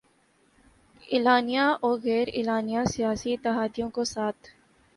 اعلانیہ وغیر اعلانیہ سیاسی اتحادیوں کو ساتھ